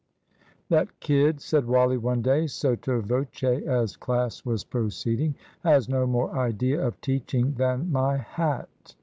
"That kid," said Wally, one day, sotto voce, as class was proceeding, "has no more idea of teaching than my hat.